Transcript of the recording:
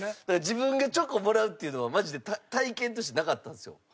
だから自分がチョコもらうっていうのはマジで体験としてなかったんですよ。